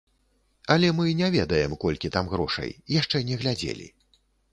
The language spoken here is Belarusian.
Але мы не ведаем, колькі там грошай, яшчэ не глядзелі.